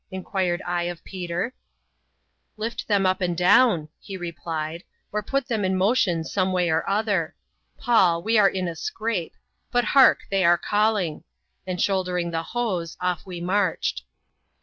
inquired I of Peter* " Lift them up and down," he replied ;" or put them in mo tion some way or other. Paul, we are in a scrape — but, hark I they are calling ;" and shouldering the hoes, off we marched.